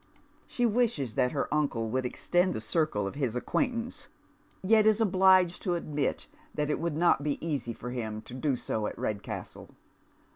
She wishes that her uncle would extend the circle of hia acquaintance, yet is obliged to admit that it would not bo easy for him to do so at Redcastle.